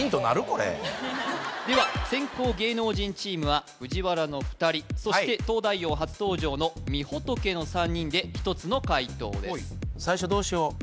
これでは先攻芸能人チームはＦＵＪＩＷＡＲＡの２人そして「東大王」初登場のみほとけの３人で１つの解答です